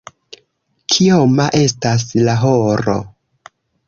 Kioma estas la horo?